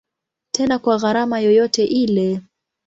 Tena kwa gharama yoyote ile.